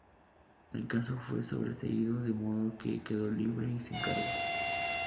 El caso fue sobreseído de modo que quedó libre y sin cargos.